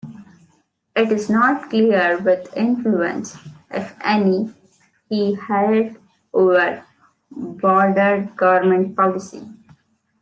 It is not clear what influence, if any, he held over broader government policy.